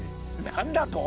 何だと！？